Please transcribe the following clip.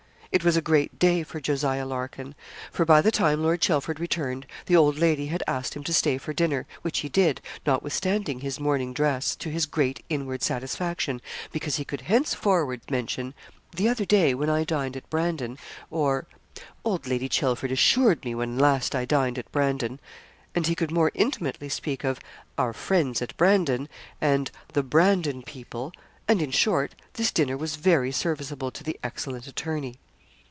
It was a great day for Jos. Larkin; for by the time Lord Chelford returned the old lady had asked him to stay for dinner, which he did, notwithstanding his morning dress, to his great inward satisfaction, because he could henceforward mention, 'the other day, when I dined at Brandon,' or 'old Lady Chelford assured me, when last I dined at Brandon;' and he could more intimately speak of 'our friends at Brandon,' and 'the Brandon people,' and, in short, this dinner was very serviceable to the excellent attorney.